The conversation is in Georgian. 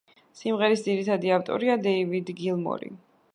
სიმღერის ძირითადი ავტორია დეივიდ გილმორი.